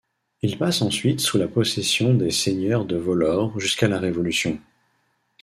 Il passe ensuite sous la possession des seigneurs de Vollore jusqu’à la Révolution.